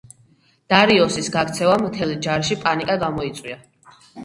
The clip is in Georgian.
დარიოსის გაქცევამ მთელ ჯარში პანიკა გამოიწვია.